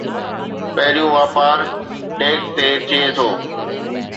پهريون واپار ڊيڪ تي ٿئي ٿو